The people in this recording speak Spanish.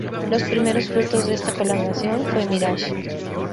Los primeros frutos de esta colaboración fue Mirage.